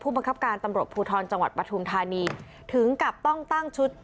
บังคับการตำรวจภูทรจังหวัดปฐุมธานีถึงกับต้องตั้งชุด